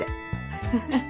フフフ。